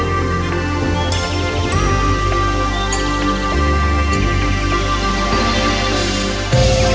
โชว์สี่ภาคจากอัลคาซ่าครับ